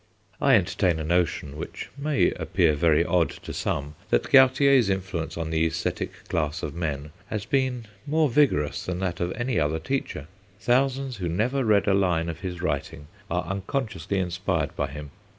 I entertain a notion, which may appear very odd to some, that Gautier's influence on the æsthetic class of men has been more vigorous than that of any other teacher; thousands who never read a line of his writing are unconsciously inspired by him.